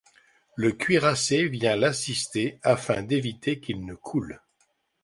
Le cuirassé vient l'assister afin d'éviter qu'il ne coule.